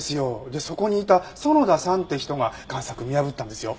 でそこにいた園田さんって人が贋作見破ったんですよ。